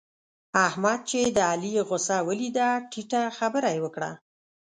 احمد چې د علي غوسه وليده؛ ټيټه خبره يې وکړه.